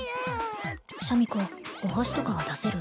シャミ子お箸とかは出せる？